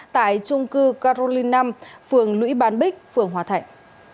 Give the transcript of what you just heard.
tại trung cư carolin năm phường lũy bán bích phường hòa thạnh